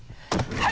はい！